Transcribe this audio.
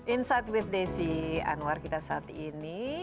insight with desi anwar kita saat ini